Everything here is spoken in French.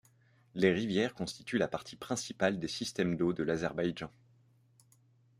Les rivières constituent la partie principale des systèmes d’eau de l’Azerbaïdjan.